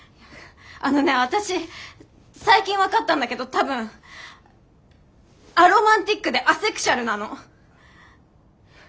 あのね私最近分かったんだけど多分アロマンティックでアセクシュアルなの。